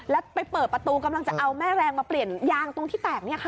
แล้วไปเปิดประตูกำลังจะเอาแม่แรงมาเปลี่ยนยางตรงที่แตกเนี่ยค่ะ